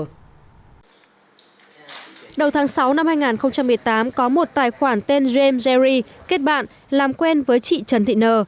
đầu tháng sáu năm hai nghìn một mươi tám có một tài khoản tên james jerry kết bạn làm quen với chị trần thị nờ